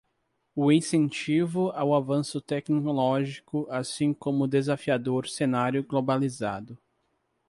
O incentivo ao avanço tecnológico, assim como o desafiador cenário globalizado